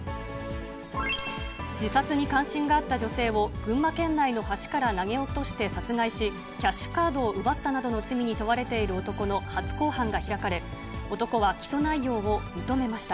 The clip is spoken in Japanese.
自殺に関心があった女性を群馬県内の橋から投げ落として殺害し、キャッシュカードを奪ったなどの罪に問われている男の初公判が開かれ、男は起訴内容を認めました。